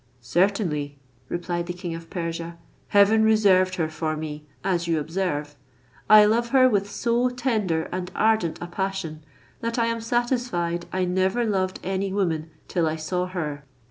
"Certainly," replied the king of Persia, "heaven reserved her for me, as you observe. I love her with so tender and ardent a passion, that I am satisfied I never loved any woman till I saw her.